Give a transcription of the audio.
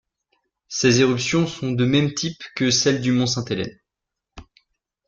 Ses éruptions sont de même type que celles du mont Saint Helens.